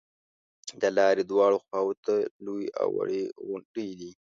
د لارې دواړو خواو ته لویې او وړې غونډې دي.